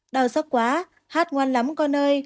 đau xót quá hát ngoan lắm con ơi